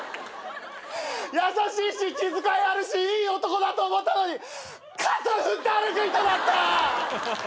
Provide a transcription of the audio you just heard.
優しいし気遣いあるしいい男だと思ったのに傘振って歩く人だった！